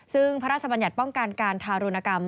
ซึ่งพระราชบัญญัติป้องกันการทารุณกรรม